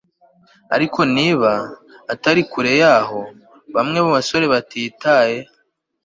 ariko niba, atari kure yaho, bamwe mubasore batitaye